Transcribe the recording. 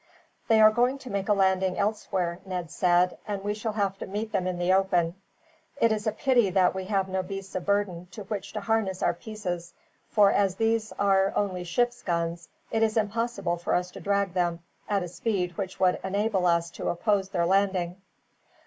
"They are going to make a landing elsewhere," Ned said, "and we shall have to meet them in the open. It is a pity that we have no beasts of burden to which to harness our pieces; for as these are only ships' guns, it is impossible for us to drag them at a speed which would enable us to oppose their landing.